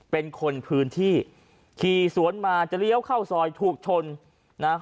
เป็นคนพื้นที่ขี่สวนมาจะเลี้ยวเข้าซอยถูกชนนะ